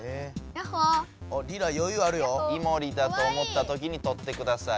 イモリだと思ったときにとってください。